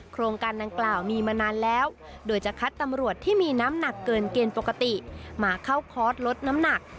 โครงการดังกล่าวมีมานานแล้วโดยจะคัดตำรวจที่มีน้ำหนักเกินเกณฑ์ปกติมาเข้าคอร์สลดน้ำหนัก